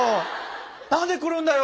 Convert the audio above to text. なんで来るんだよ！